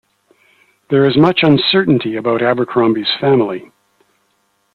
There is much uncertainty about Abercrombie's family.